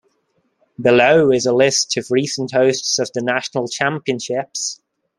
Below is a list of recent hosts of the National Championships.